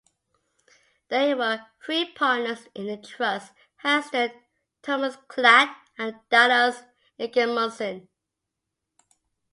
There were three partners in the trust: Hastert, Thomas Klatt, and Dallas Ingemunson.